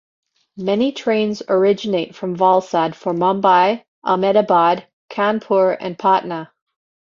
Many trains originate from Valsad for Mumbai, Ahmedabad, Kanpur and Patna.